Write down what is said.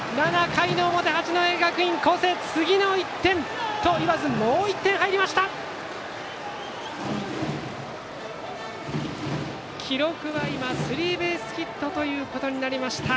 ７回表、八戸学院光星次の１点といわずもう１点入りました。